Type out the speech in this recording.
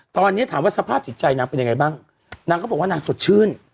ตอนนี้ถามว่าสภาพจิตใจนางเป็นยังไงบ้างนางก็บอกว่านางสดชื่น